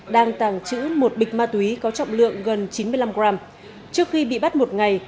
đang tàng trữ một bịch ma túy có trọng lượng gần chín mươi năm gram trước khi bị bắt một ngày